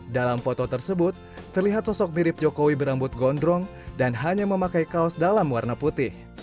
dalam foto tersebut terlihat sosok mirip jokowi berambut gondrong dan hanya memakai kaos dalam warna putih